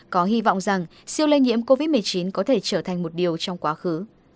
có hy vọng rằng siêu lây nhiễm covid một mươi chín có thể trở thành một điều trong quá khứ